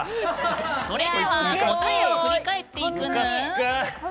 それでは答えを振り返っていくぬん。